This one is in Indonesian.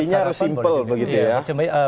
artinya harus simple begitu ya